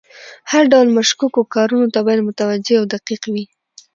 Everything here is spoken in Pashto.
هر ډول مشکوکو کارونو ته باید متوجه او دقیق وي.